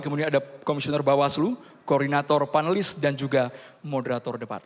kemudian ada komisioner bawaslu koordinator panelis dan juga moderator depar